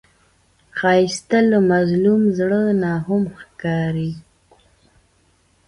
ښایست له مظلوم زړه نه هم ښکاري